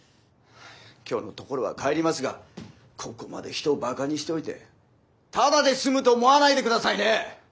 今日のところは帰りますがここまで人をバカにしておいてただで済むと思わないで下さいね。